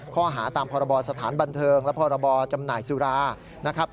ข้อหาตามพรบสถานบันเทิงและพรบจำหน่ายสุรานะครับ